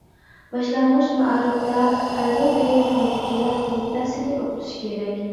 باشلانغۇچ مائارىپتا خەنزۇ تىلى فونېتىكىلىق ئېلىپبەسىنى ئوقۇتۇش كېرەك.